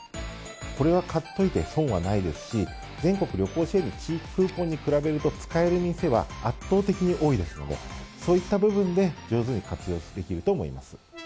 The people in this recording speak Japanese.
これは買っておいて損はないですし、全国旅行支援の地域クーポンに比べると、使える店は圧倒的に多いですので、そういった部分で上手に活用できると思います。